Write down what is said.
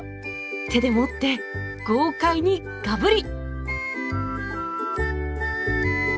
手で持って豪快にがぶり！